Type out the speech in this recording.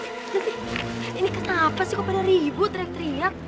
nanti ini kenapa sih kok pada ribu teriak teriak